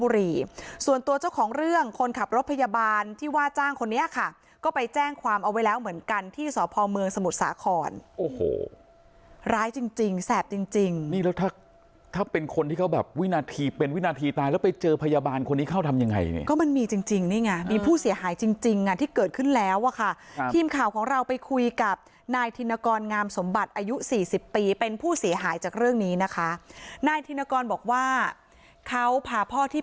รีส่วนตัวเจ้าของเรื่องคนขับรถพยาบาลที่ว่าจ้างคนนี้ค่ะก็ไปแจ้งความเอาไว้แล้วเหมือนกันที่สภเมืองสมุทรสาขรโอ้โหร้ายจริงจริงแสบจริงจริงนี่แล้วถ้าถ้าเป็นคนที่เขาแบบวินาทีเป็นวินาทีตายแล้วไปเจอพยาบาลคนนี้เขาทำยังไงก็มันมีจริงจริงนี่ไงมีผู้เสียหายจริงจริงอ่ะที่